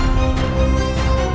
tidak ada format